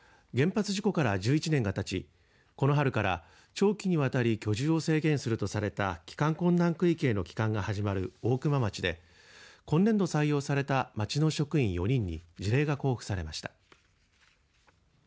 原発事故から１１年がたちこの春から長期にわたり居住を制限するとされた帰還困難区域への帰還が始まる大熊町で今年度採用された町の職員４人に辞令が交付されました。